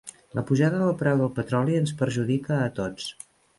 La pujada del preu del petroli ens perjudica a tots.